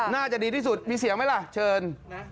น่าจะดีที่สุดมีเสียงไหมล่ะเชิญ